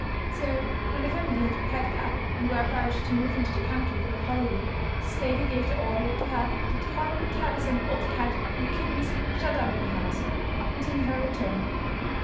So, when the family had packed up, and were about to move into the country for the holiday, this lady gave the order to have "that horrid tiresome old cat and kittens shut up in the house," until her return.